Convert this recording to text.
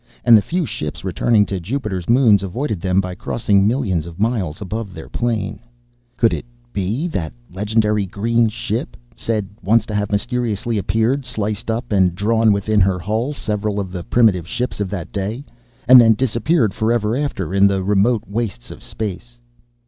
And the few ships running to Jupiter's moons avoided them by crossing millions of miles above their plane. Could it be that legendary green ship, said once to have mysteriously appeared, sliced up and drawn within her hull several of the primitive ships of that day, and then disappeared forever after in the remote wastes of space?